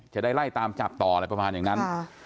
จะได้ไล่ตามจับต่ออะไรประมาณอย่างนั้น